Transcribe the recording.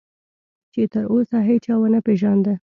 چې تراوسه هیچا ونه پېژانده.